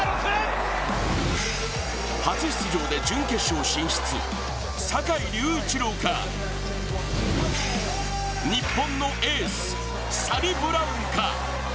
初出場で準決勝進出、坂井隆一郎か日本のエース・サニブラウンか。